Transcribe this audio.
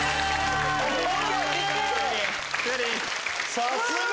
さすが！